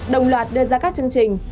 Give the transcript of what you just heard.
đồng loạt đưa ra các chương trình